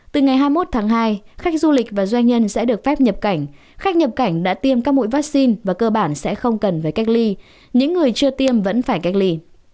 từ ngày hai mươi một tháng hai khách du lịch và doanh nhân sẽ được phép nhập cảnh khách nhập cảnh đã tiêm các mũi vaccine và cơ bản sẽ không cần phải cách ly những người chưa tiêm vẫn phải cách ly